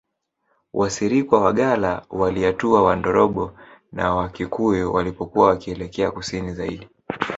Wasirikwa Wagalla Waliatua Wandorobo na Wakikuyu walipokuwa wakielekea Kusini zaidi